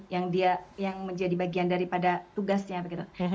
yang dia yang menjadi bagian daripada tugasnya begitu